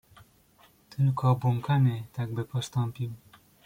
"Tylko obłąkany tak by postąpił."